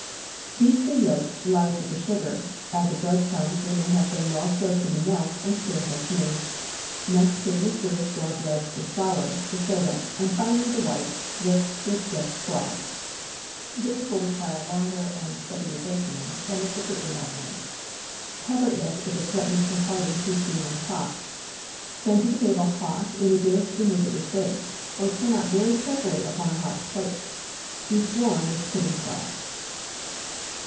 Beat the yolks light with the sugar, add the bread crumbs when they have been well soaked in the milk, and stir until smooth. Next put in the fruit, well dredged with flour, the soda, and finally the whites, whipped to a stiff froth. This will require longer and steadier baking than if the fruit were not in. Cover it if it threatens to harden too soon on top. Send to table hot in the dish in which it was baked, or turn out very carefully upon a hot plate. Eat warm, with pudding sauce.